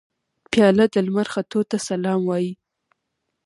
پیاله د لمر ختو ته سلام وايي.